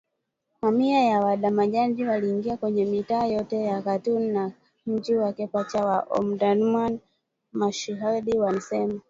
Mamia ya waandamanaji waliingia kwenye mitaa yote ya Khartoum na mji wake pacha wa Omdurman, mashahidi walisema.